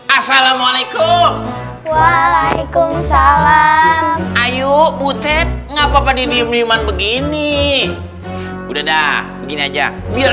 assalamualaikum waalaikumsalam ayo butet ngapa pada diem diem begini udah dah begini aja biar